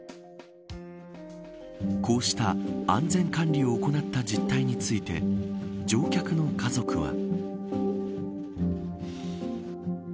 こうした安全管理を怠った実態について乗客の家族は。